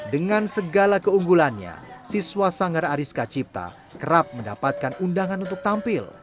dengan segala keunggulannya siswa sanggar ariska cipta kerap mendapatkan undangan untuk tampil